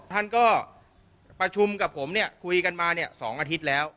ท่านก็ประชุมกับผมเนี่ยคุยกันมาเนี่ย๒อาทิตย์แล้ว